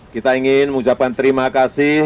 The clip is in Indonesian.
kita ingin mengucapkan terima kasih